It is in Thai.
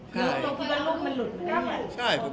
คือว่ารูปมันหลุดไหม